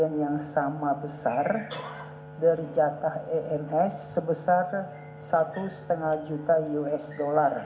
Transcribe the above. dan bagian yang sama besar dari jatah ems sebesar satu lima juta usd